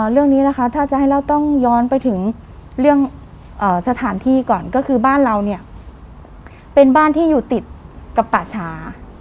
เรื่องนี้นะคะถ้าจะให้เราต้องย้อนไปถึงเรื่องสถานที่ก่อนก็คือบ้านเราเนี่ยเป็นบ้านที่อยู่ติดกับป่าชา